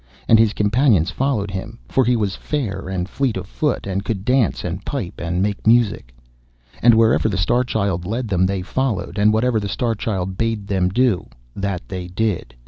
And his companions followed him, for he was fair, and fleet of foot, and could dance, and pipe, and make music. And wherever the Star Child led them they followed, and whatever the Star Child bade them do, that did they.